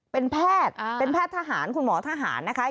เป็นแพทย์เป็นแพทย์ทหารคุณหมอทหารนะคะ